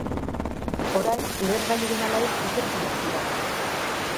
Orain lehergailu den ala ez ikertzen ari dira.